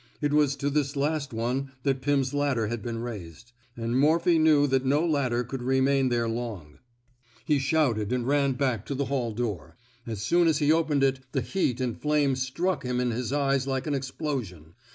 It was to this last one that Pim's ladder had been raised. And Mor phy knew that no ladder could remain there long. 110 PEIVATE MOBPHY'S ROMANCE He shouted and ran back to the hall door. As soon as he opened it, the heat and flame struck into his eyes like an explosion.